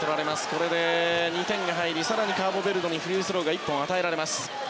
これで２点が入り更にカーボベルデにフリースローが１本与えられます。